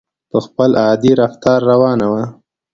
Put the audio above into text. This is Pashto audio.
په خپل عادي رفتار روانه وه.